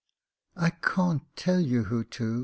"I can't tell you who to.